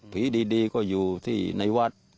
ผีดีก็อยู่ที่ในวัด